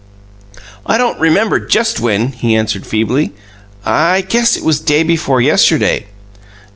"I don't remember just when," he answered feebly. "I guess it was day before yesterday."